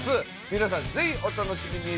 皆さんぜひお楽しみに。